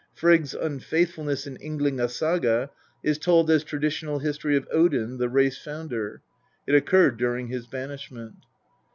Frigg's unfaithfulness in Ynglinga Saga is told as traditional history of Odin, the race founder ; it occurred during his banishment.